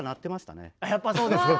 やっぱそうですか。